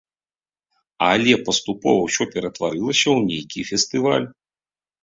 Але паступова ўсё пераўтварылася ў нейкі фестываль.